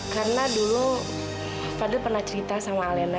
karena dulu fadil pernah cerita sama alina